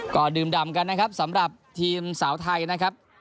ก็ดื่มดำกันนะครับสำหรับทีมสาวไทยนะครับ